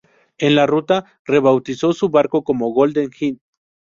En la ruta rebautizó su barco como "Golden Hind".